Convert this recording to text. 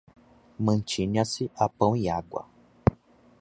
Mantinha-se a pão e água